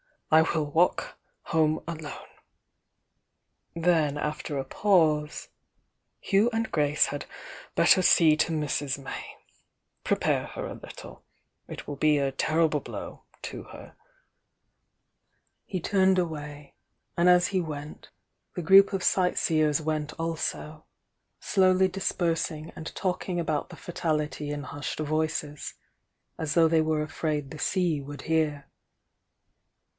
"I will walk home alone." Then, after a pause. "You and Grace had better see to Mrs. May, — prepare her a little— it will be a terrible blow to her " He turned away, and as he went, the group of sight seers went also, slowly dispersing and talking about the fatality in hushed voices, as though Uiey were afraid the sea would hear.